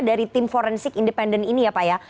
dari tim forensic independent ini ya pak ya